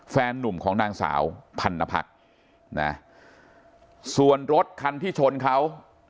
แฟนนุ่มของนางสาวพันนพักนะส่วนรถคันที่ชนเขา